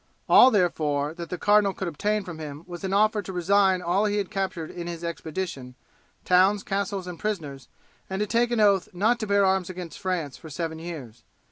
All, therefore, that the cardinal could obtain from him was an offer to resign all he had captured in his expedition, towns, castles, and prisoners, and to take an oath not to bear arms against France for seven years.